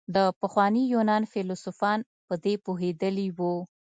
د پخواني يونان فيلسوفان په دې پوهېدلي وو.